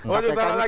oh itu salah lagi